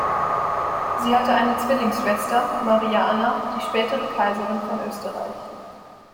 Sie hatte eine Zwillingsschwester, Maria Anna, die spätere Kaiserin von Österreich.